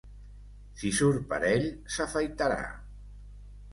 Si surt parell, s'afaitarà.